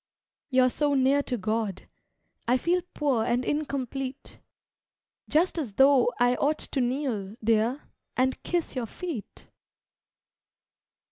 You're so near to God, I feel Poor and incomplete, Just as though I ought to kneel, Dear, and kiss your feet.